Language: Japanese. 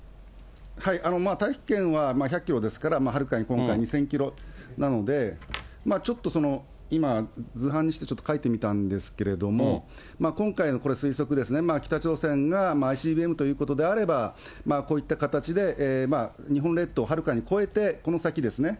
大気圏は１００キロですから、はるかに今回、２０００キロなので、ちょっと今、図版にしてちょっと書いてみたんですけれども、今回のこれ推測ですね、北朝鮮がＩＣＢＭということであれば、こういった形で日本列島をはるかに越えて、この先ですね、